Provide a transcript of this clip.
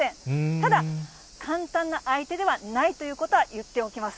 ただ、簡単な相手ではないということは言っておきます。